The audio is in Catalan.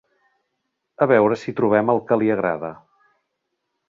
A veure si trobem el que li agrada.